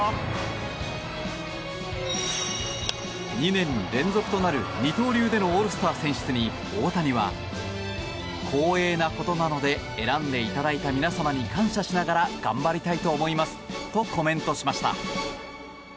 ２年連続となる二刀流でのオールスター選出に、大谷は光栄なことなので選んでいただいた皆様に感謝しながら頑張りたいと思いますとコメントしました。